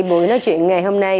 buổi nói chuyện ngày hôm nay